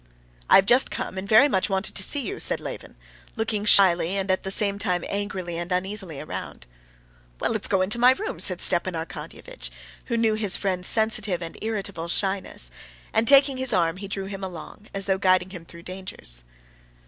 "I have just come, and very much wanted to see you," said Levin, looking shyly and at the same time angrily and uneasily around. "Well, let's go into my room," said Stepan Arkadyevitch, who knew his friend's sensitive and irritable shyness, and, taking his arm, he drew him along, as though guiding him through dangers.